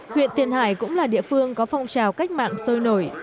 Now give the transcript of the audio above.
huyện tiền hải cũng là địa phương có phong trào cách mạng sôi nổi